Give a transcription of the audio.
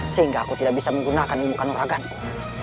sehingga aku tidak bisa menggunakan umbukan orang aganku